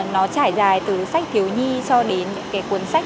nó trải dài từ sách thiếu nhi cho đến cuốn sách